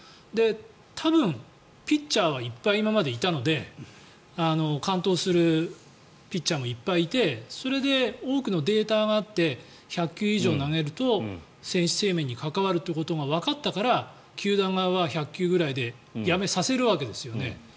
多分、ピッチャーはいっぱい今までいたので完投するピッチャーもいっぱいいてそれで多くのデータがあって１００球以上投げると選手生命に関わるということがわかったから球団側は１００球くらいでやめさせるわけですよね。